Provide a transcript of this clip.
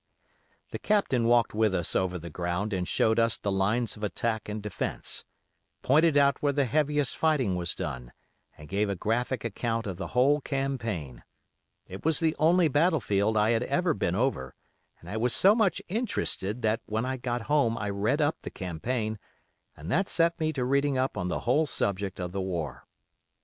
"The Captain walked with us over the ground and showed us the lines of attack and defence; pointed out where the heaviest fighting was done, and gave a graphic account of the whole campaign. It was the only battle field I had ever been over, and I was so much interested that when I got home I read up the campaign, and that set me to reading up on the whole subject of the war.